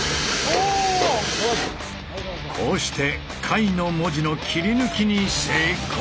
こうして「解」の文字の切り抜きに成功！